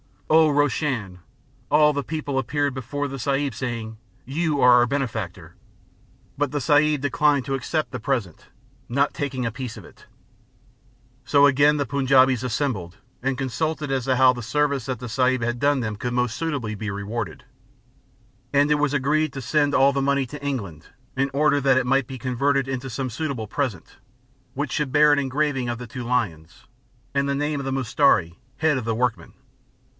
Oh! Roshan, all the people appeared before the Sahib saying, "You are our benefactor"; But the Sahib declined to accept the present, not taking a pice of it. So then again the Punjaubis assembled, and consulted as to how the service that the Sahib had done them could most suitably he rewarded. And it was agreed to send all the money to England, in order that it might be converted into some suitable present, Which should bear an engraving of the two lions, and the name of the mistari, head of the workmen.